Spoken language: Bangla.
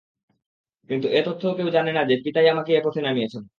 কিন্তু এ তথ্য তো কেউ জানে না যে, পিতাই আমাকে এ পথে নামিয়েছেন।